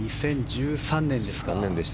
２０１３年ですか。